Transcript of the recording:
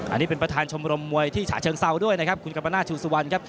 อันนี้เป็นประธานชมรมมวยที่ฉะเชิงเซาด้วยนะครับคุณกัปนาศชูสุวรรณครับ